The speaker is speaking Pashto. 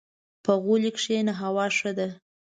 • په غولي کښېنه، هوا ښه ده.